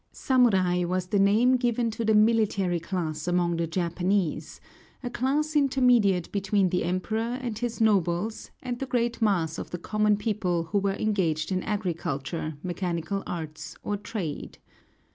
Samurai was the name given to the military class among the Japanese, a class intermediate between the Emperor and his nobles and the great mass of the common people who were engaged in agriculture, mechanical arts, or trade.